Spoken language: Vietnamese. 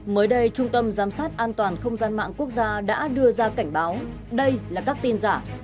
mới đây trung tâm giám sát an toàn không gian mạng quốc gia đã đưa ra cảnh báo đây là các tin giả